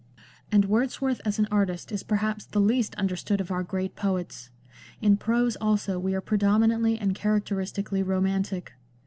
And Wordsworth as an artist is perhaps the least understood of our great poets. In prose also we are predominantly and characteristically romantic.